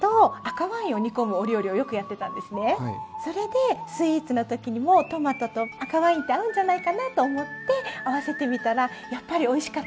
それでスイーツの時にもトマトと赤ワインって合うんじゃないかなと思って合わせてみたらやっぱりおいしかったんです。